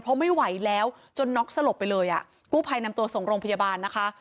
เพราะไม่ไหวแล้วจนน็อกสลบไปเลยอ่ะกู้ภัยนำตัวส่งโรงพยาบาลนะคะ